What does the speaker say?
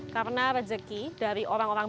karena rezeki dari orang orang